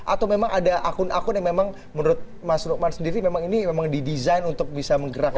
atau memang ada akun akun yang memang menurut mas lukman sendiri memang ini memang didesain untuk bisa menggerakkan